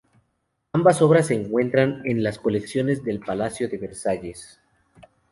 Ambas obras se encuentran en las colecciones del palacio de Versalles.